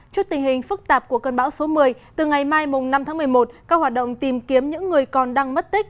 trước tình hình phức tạp của cơn bão số một mươi từ ngày mai năm tháng một mươi một các hoạt động tìm kiếm những người còn đang mất tích